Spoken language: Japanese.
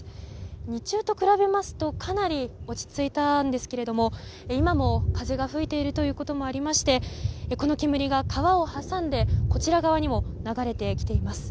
日中と比べますと、かなり落ち着いたんですけれども今も風が吹いていることもありましてこの煙が川を挟んでこちら側にも流れてきています。